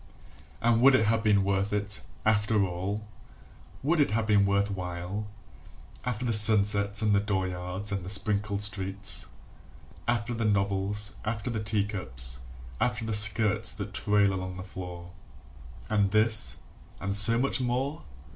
And would it have been worth it, after all, Would it have been worth while, After the sunsets and the dooryards and the sprinkled streets, After the novels, after the teacups, after the skirts that trail along the floor And this, and so much more?